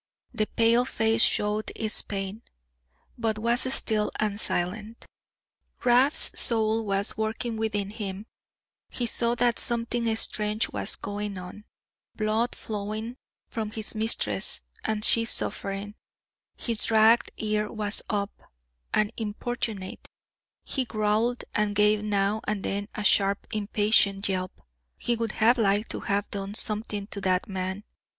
The pale face showed its pain, but was still and silent. Rab's soul was working within him; he saw that something strange was going on blood flowing from his mistress, and she suffering; his ragged ear was up, and importunate; he growled and gave now and then a sharp impatient yelp; he would have liked to have done something to that man.